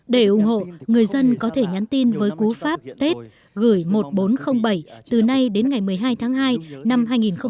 để ủng hộ người dân có thể nhắn tin với cú pháp tết gửi một nghìn bốn trăm linh bảy từ nay đến ngày một mươi hai tháng hai năm hai nghìn hai mươi